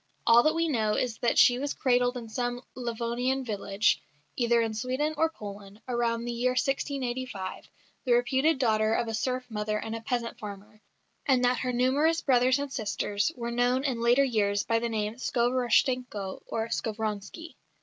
All that we know is that she was cradled in some Livonian village, either in Sweden or Poland, about the year 1685, the reputed daughter of a serf mother and a peasant father; and that her numerous brothers and sisters were known in later years by the name Skovoroshtchenko or Skovronski.